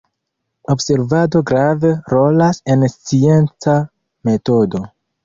Observado grave rolas en scienca metodo.